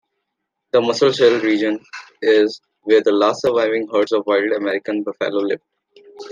The Musselshell region is where the last surviving herds of wild American buffalo lived.